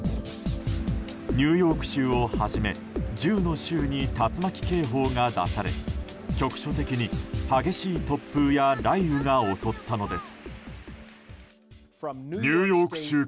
ニューヨーク州をはじめ１０の州に竜巻警報が出され局所的に激しい突風や雷雨が襲ったのです。